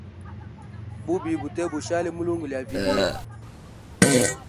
Bubi bute bushali mulungu lya vilye.